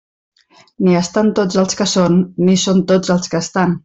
Ni estan tots els que són, ni són tots els que estan.